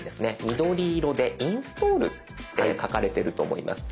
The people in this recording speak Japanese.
緑色で「インストール」って書かれてると思います。